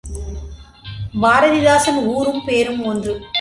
பாரதிதாசன் ஊரும் பேரும் ஒன்று.